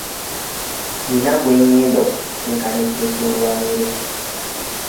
Nina gwe ngenda okusisinkana ekiro ky'olwaleero.